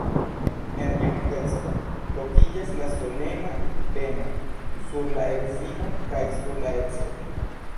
En tiu kunteksto lokiĝas la solena beno sur la edzino kaj sur la edzo.